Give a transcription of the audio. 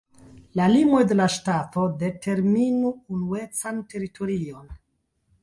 La limoj de la ŝtato determinu unuecan teritorion.